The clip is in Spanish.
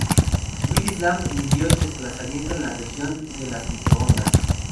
Willis Lamb midió el desplazamiento en la región de las microondas.